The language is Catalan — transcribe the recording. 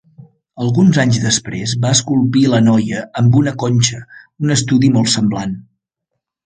Alguns anys després va esculpir la Noia amb una conxa, un estudi molt semblant.